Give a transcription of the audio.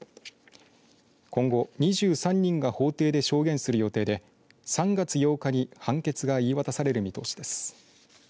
今後、２３人が法廷で証言する予定で３月８日に判決が言い渡される見通しです。